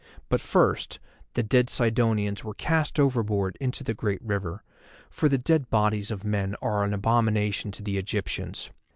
But first, the dead Sidonians were cast overboard into the great river, for the dead bodies of men are an abomination to the Egyptians.